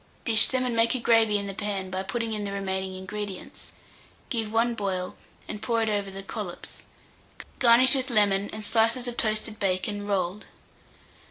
Dish them, and make a gravy in the pan by putting in the remaining ingredients. Give one boil, and pour it over the collops; garnish with lemon and slices of toasted bacon, rolled.